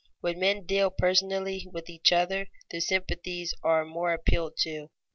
When men deal personally with each other their sympathies are more appealed to.